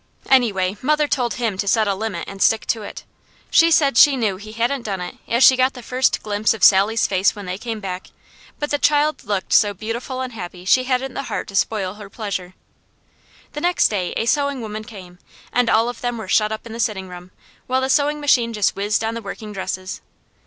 Anyway, mother told him to set a limit and stick to it. She said she knew he hadn't done it as she got the first glimpse of Sally's face when they came back, but the child looked so beautiful and happy she hadn't the heart to spoil her pleasure. The next day a sewing woman came; and all of them were shut up in the sitting room, while the sewing machine just whizzed on the working dresses.